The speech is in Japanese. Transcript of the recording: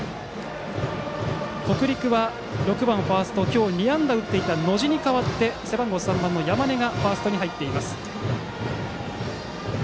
北陸は６番ファースト今日、２安打を打っていた野路に代わって背番号３の山根がファーストに入っています。